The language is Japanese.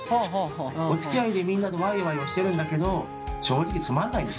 おつきあいでみんなとワイワイをしてるんだけど正直つまんないんですよね。